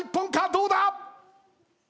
どうだ⁉